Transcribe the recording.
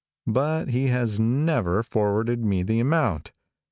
But he has never forwarded the amount.